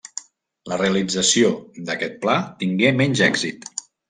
La realització d'aquest pla tingué menys èxit.